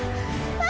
あ！